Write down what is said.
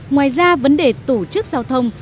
ngoài ra vấn đề tổ chức giao thông